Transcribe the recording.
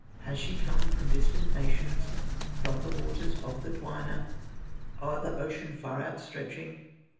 Has she come from distant nations, From the waters of the Dwina, O'er the ocean far outstretching?